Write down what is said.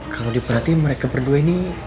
kalau diperhatiin mereka berdua ini